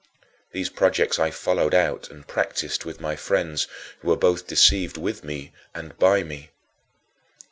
These projects I followed out and practiced with my friends, who were both deceived with me and by me.